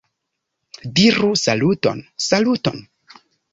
- Diru "Saluton"! - "Saluton"!